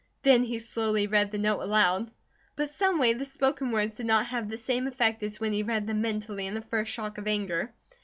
Then he slowly read the note aloud. But someway the spoken words did not have the same effect as when he read them mentally in the first shock of anger.